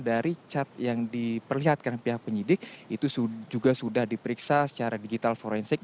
dari cat yang diperlihatkan pihak penyidik itu juga sudah diperiksa secara digital forensik